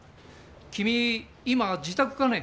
君今自宅かね？